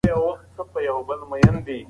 هغه غوښتل چې خپل زوی ته زنګ ووهي.